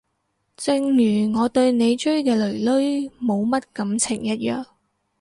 正如我對你追嘅囡囡冇乜感情一樣